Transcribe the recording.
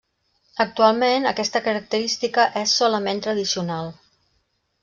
Actualment, aquesta característica és solament tradicional.